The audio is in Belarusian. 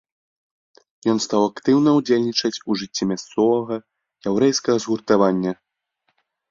Ён стаў актыўна ўдзельнічаць у жыцці мясцовага яўрэйскага згуртавання.